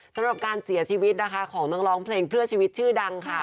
สำหรับการเสียชีวิตนะคะของนักร้องเพลงเพื่อชีวิตชื่อดังค่ะ